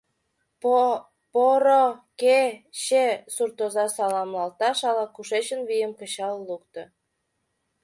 — По... по-ро ке-че... — суртоза саламлалташ ала-кушеч вийым кычал лукто.